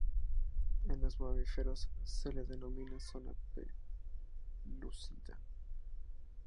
En los mamíferos se la denomina zona pelúcida.